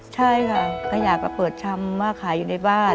ใช่ค่ะขยะก็เปิดชำว่าขายอยู่ในบ้าน